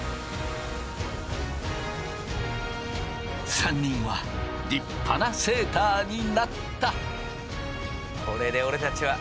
３人は立派なセーターになった。